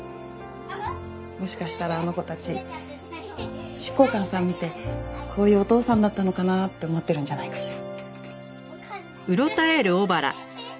もしかしたらあの子たち執行官さん見てこういうお父さんだったのかな？って思ってるんじゃないかしら。